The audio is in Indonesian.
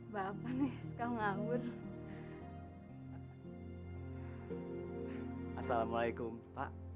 bapak nih sekalus ngawur